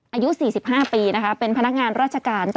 อายุ๔๕ปีนะคะเป็นพนักงานราชการ